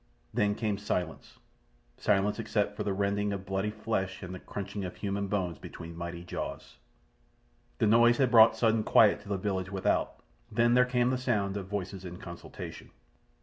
Then came silence—silence except for the rending of bloody flesh and the crunching of human bones between mighty jaws. The noise had brought sudden quiet to the village without. Then there came the sound of voices in consultation.